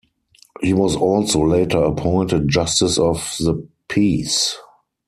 He was also later appointed justice of the peace.